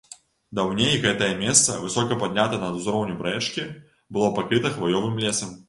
Даўней гэтае месца, высока паднятае над узроўнем рэчкі, было пакрыта хваёвым лесам.